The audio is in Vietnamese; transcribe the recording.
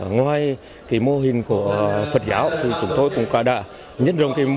ngoài cái mô hình của phật giáo thì chúng tôi cũng cả đã